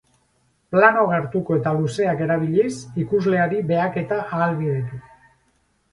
Plano gertuko eta luzeak erabiliz, ikusleari behaketa ahalbidetu.